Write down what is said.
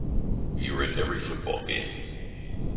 You're at every football game.